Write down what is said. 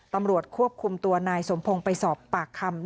ตำรวจควบคุมตัวนายสมพงศ์ไปสอบปากคำ